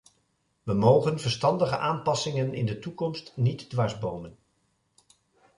We mogen verstandige aanpassingen in de toekomst niet dwarsbomen.